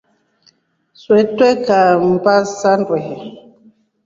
Swee twekaa mmba za ndoe.